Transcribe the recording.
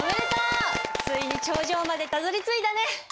ついに頂上までたどりついたね！